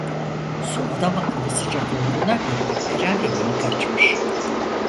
Su adamakıllı sıcak olduğuna göre, herhalde yeni kaçmış.